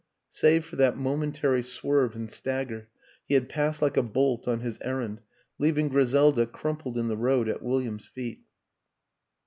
Save for that momentary swerve and stagger, he had passed like a bolt on his errand, leaving Gri selda crumpled in the road at William's feet.